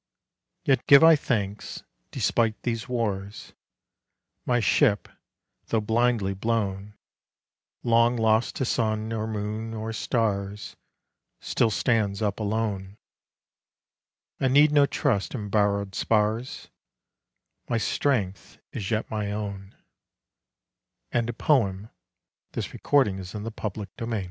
Yet give I thanks; despite these wars, My ship though blindly blown, Long lost to sun or moon or stars Still stands up alone. I need no trust in borrowed spars; My strength is yet my own. IV. ANNIHILATED Upon the sweltering sea's enormous rou